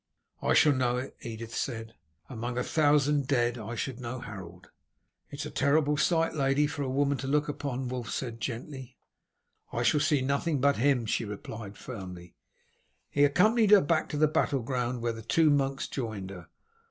"I shall know it," Edith said. "Among a thousand dead I should know Harold." "It is a terrible sight, lady, for a woman to look upon," Wulf said gently. "I shall see nothing but him," she replied firmly. He accompanied her back to the battle ground, where the two monks joined her.